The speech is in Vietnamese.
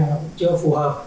nó cũng chưa phù hợp